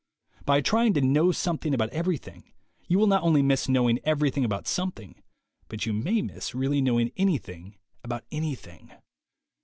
By trying to know something about every thing, you will not only miss knowing everything about something, but you may miss really knowing anything about anything.